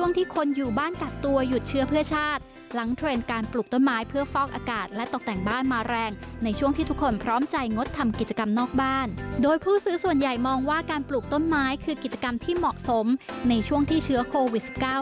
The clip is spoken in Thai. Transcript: งั้นไปติดตามจากรายงานค่ะ